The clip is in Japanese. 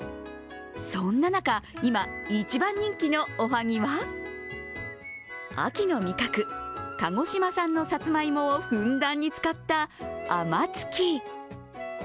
そんな中、今、一番人気のおはぎは秋の味覚、鹿児島産のさつまいもをふんだんに使った甘月。